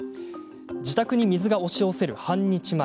自宅に水が押し寄せる半日前。